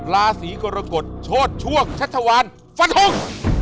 ราศีกรกฎโชชั่วชัตถวันฟันธง